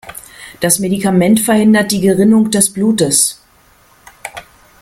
Das Medikament verhindert die Gerinnung des Blutes.